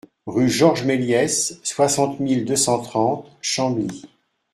Rue Georges Méliés, soixante mille deux cent trente Chambly